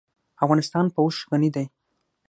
افغانستان په اوښ غني دی.